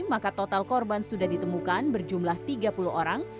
maka total korban sudah ditemukan berjumlah tiga puluh orang